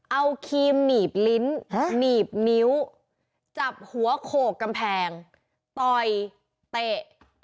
เอาครีมหนีบลิ้นหนีบนิ้วจับหัวโขกกำแพงต่อยเตะ